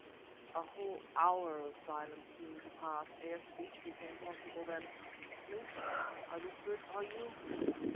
_ A whole hour of silence seemed to pass, ere speech became possible; then "Smith!" I whispered, "are you